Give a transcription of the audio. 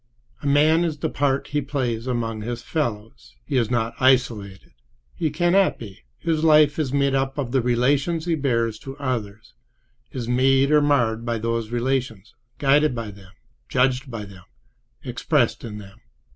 A man is the part he plays among his fellows. He is not isolated; he cannot be. His life is made up of the relations he bears to others—is made or marred by those relations, guided by them, judged by them, expressed in them.